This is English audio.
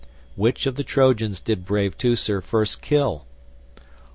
Which of the Trojans did brave Teucer first kill?